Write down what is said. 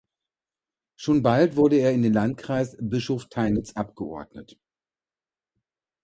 Schon bald wurde er in den Landkreis Bischofteinitz abgeordnet.